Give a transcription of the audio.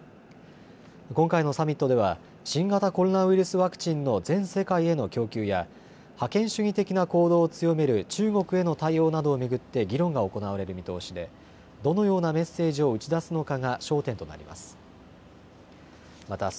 今回のサミットでは新型コロナウイルスワクチンの全世界への供給や覇権主義的な行動を強める中国への対応などを巡って議論が行われる見通しでどのようなメッセージを打ち出すのかが焦点となります。